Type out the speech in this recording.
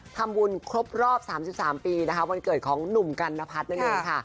ทำบุญครบรอบ๓๓ปีนะคะวันเกิดของหนุ่มกันนพัฒน์นั่นเองค่ะ